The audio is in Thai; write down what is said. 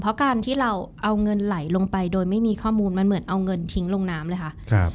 เพราะการที่เราเอาเงินไหลลงไปโดยไม่มีข้อมูลมันเหมือนเอาเงินทิ้งลงน้ำเลยค่ะ